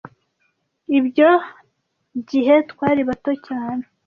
Ibyo gihe twari bato cyane.